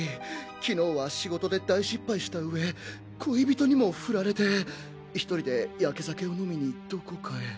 昨日は仕事で大失敗した上恋人にもフラれて１人でヤケ酒を飲みにどこかへ。